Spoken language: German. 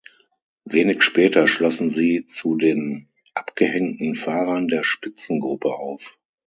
Wenig später schlossen sie zu den abgehängten Fahrern der Spitzengruppe auf.